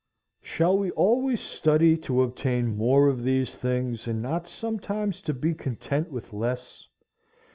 Shall we always study to obtain more of these things, and not sometimes to be content with less?